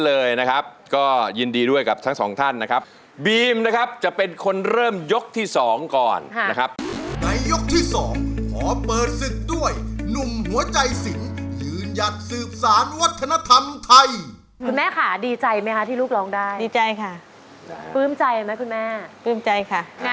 ร้องได้แบบนี้ค่ะสะสมเงินทุนร่วมกันในยกที่๑ค่ะ